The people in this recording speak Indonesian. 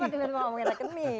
apa kebeneran ngomongin rekening